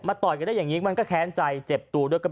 ต่อยกันได้อย่างนี้มันก็แค้นใจเจ็บตัวด้วย